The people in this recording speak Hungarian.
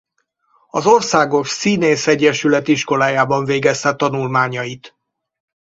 Az Országos Színészegyesület iskolájában végezte tanulmányait.